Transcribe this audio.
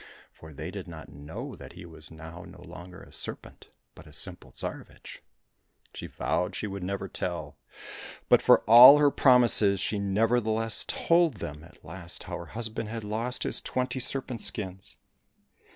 For they did not know that he was now no longer a serpent, but a simple Tsarevich. She vowed she would never tell ; but for all her promises, she nevertheless told them at last how her husband had lost his twenty serpent skins.